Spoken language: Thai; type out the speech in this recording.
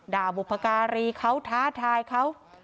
บุพการีเขาท้าทายเขา